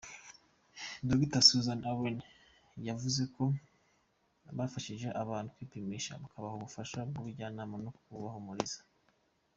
Dr Susan Allen yavuze ko bafashije abantu kwipimisha, bakabaha ubufasha bw’ubujyanama no kubahumuriza.